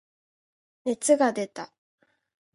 熱が出た。